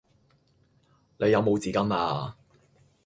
你有冇紙巾呀